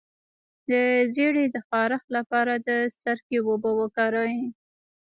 د زیړي د خارښ لپاره د سرکې اوبه وکاروئ